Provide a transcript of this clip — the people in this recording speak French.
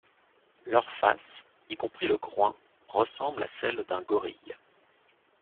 Leur face, y compris le groin, ressemble à celle d'un gorille.